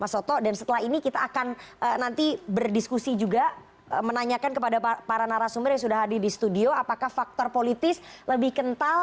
mas oto dan setelah ini kita akan nanti berdiskusi juga menanyakan kepada para narasumber yang sudah hadir di studio apakah faktor politis lebih kental